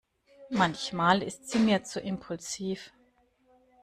Manchmal ist sie mir zu impulsiv.